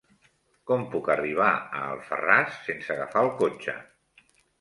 Com puc arribar a Alfarràs sense agafar el cotxe?